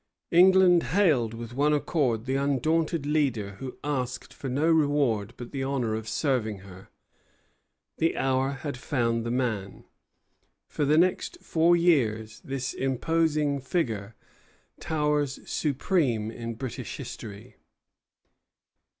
England hailed with one acclaim the undaunted leader who asked for no reward but the honor of serving her. The hour had found the man. For the next four years this imposing figure towers supreme in British history.